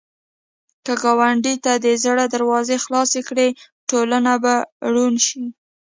که ګاونډي ته د زړه دروازې خلاصې کړې، ټولنه به روڼ شي